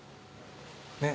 ねっ。